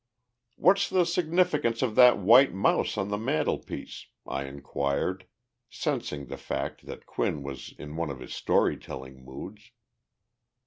"What's the significance of that white mouse on the mantelpiece?" I inquired, sensing the fact that Quinn was in one of his story telling moods.